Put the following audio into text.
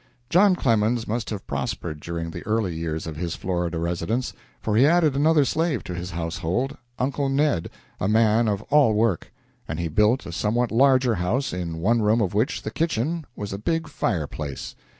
John Clemens must have prospered during the early years of his Florida residence, for he added another slave to his household Uncle Ned, a man of all work and he built a somewhat larger house, in one room of which, the kitchen, was a big fireplace.